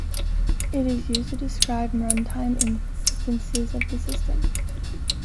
It is used to describe runtime instances of the system.